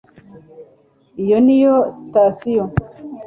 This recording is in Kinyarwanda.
iyo niyo sitasiyo